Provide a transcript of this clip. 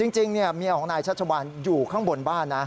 จริงเมียของนายชัชวานอยู่ข้างบนบ้านนะ